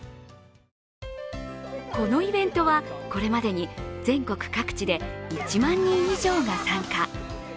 このイベントはこれまでに全国各地で１万人以上が参加。